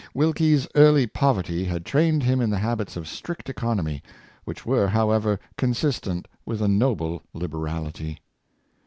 Wilkie's early poverty had trained him in the habits of strict economy, which were however, consistent with a noble liberality.